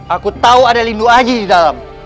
aku tahu ada lindu aja di dalam